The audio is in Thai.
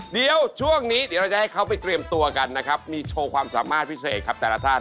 เดี๋ยวช่วงนี้เดี๋ยวเราจะให้เขาไปเตรียมตัวกันนะครับมีโชว์ความสามารถพิเศษครับแต่ละท่าน